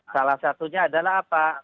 salah satunya adalah apa